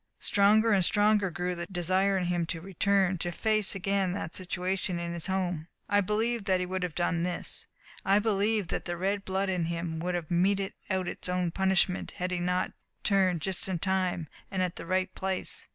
Stronger and stronger grew the desire in him to return, to face again that situation in his home. I believe that he would have done this I believe that the red blood in him would have meted out its own punishment had he not turned just in time, and at the right place.